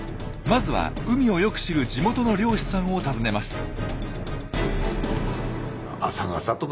まずは海をよく知る地元の漁師さんを訪ねます。